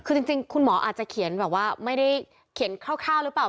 คือจริงคุณหมออาจจะเขียนแบบว่าไม่ได้เขียนคร่าวหรือเปล่า